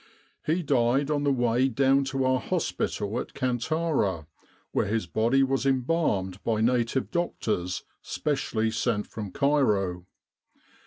He died on the way down to our hospital at Kantara, where his body was embalmed by native doctors specially sent from Cairo.